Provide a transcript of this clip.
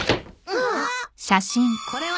ああ！